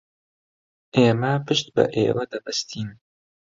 ئێمە پشت بە ئێوە دەبەستین.